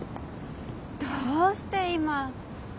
どうして今？